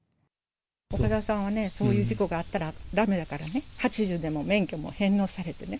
岡田さんはね、そういう事故があったらだめだからね、８０で免許も返納されてね。